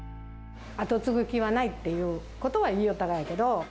後継ぐ気はないってことは言いよったがやけど。